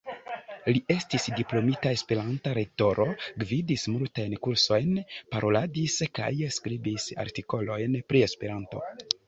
Li estis diplomita Esperanto-lektoro, gvidis multajn kursojn, paroladis kaj skribis artikolojn pri Esperanto.